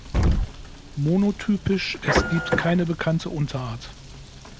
Monotypisch, es gibt keine bekannte Unterart